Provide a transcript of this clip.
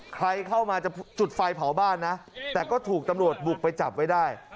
ใครเข้ามาจะจุดไฟเผาบ้านนะแต่ก็ถูกตำรวจบุกไปจับไว้ได้